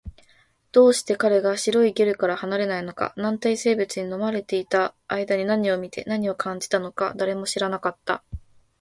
どうして彼が白いゲルから離れないのか、軟体生物に飲まれていた間に何を見て、何を感じたのか、誰も知らなかった